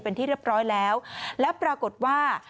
เป็นที่เรียบร้อยแล้วแล้วปรากฏว่า